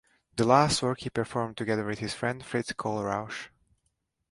The last work he performed together with his friend Fritz Kohlrausch.